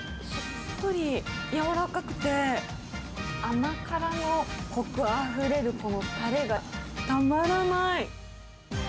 しっとり柔らかくて、甘辛のこくあふれるこのたれがたまらない。